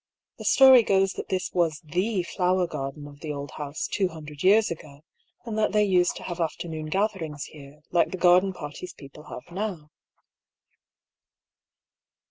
The stoiy goes that this was the flower garden of the old house two hundred years ago, and that they used to have afternoon gatherings here, like the garden parties people have now."